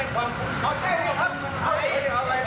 คนโจรสลุกได้